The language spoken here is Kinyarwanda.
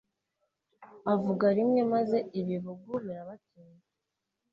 avuga rimwe, maze ibibugu birabatera